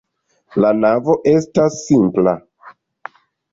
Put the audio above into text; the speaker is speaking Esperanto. La navo estas simpla.